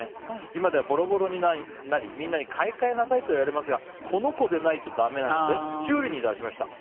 今ではボロボロになりみんなに買い替えなさいと言われますがこの子でないとだめなので修理に出しました。